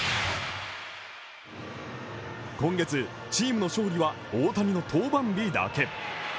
今月、チームの勝利は大谷の登板日だけ。